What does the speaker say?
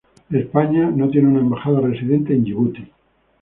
España no tiene una Embajada residente en Yibuti.